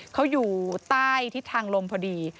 เขาอยู่ใต้ทิศทางลมพอดี